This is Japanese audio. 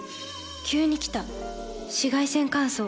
急に来た紫外線乾燥。